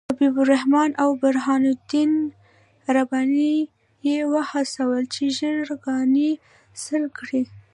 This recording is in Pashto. حبیب الرحمن او برهان الدین رباني یې وهڅول چې ژړاګانې سر کړي.